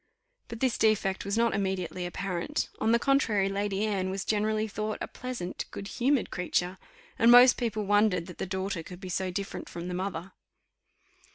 But this defect was not immediately apparent: on the contrary, Lady Anne was generally thought a pleasant, good humoured creature, and most people wondered that the daughter could be so different from the mother.